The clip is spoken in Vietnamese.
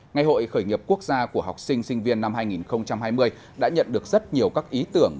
ngày hội khởi nghiệp quốc gia của học sinh sinh viên năm hai nghìn hai mươi đã nhận được rất nhiều các ý tưởng